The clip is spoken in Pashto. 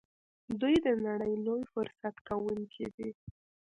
دوی د نړۍ لوی مصرف کوونکي دي.